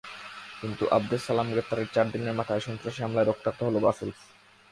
কিন্তু আবদেসালাম গ্রেপ্তারের চার দিনের মাথায় সন্ত্রাসী হামলায় রক্তাক্ত হলো ব্রাসেলস।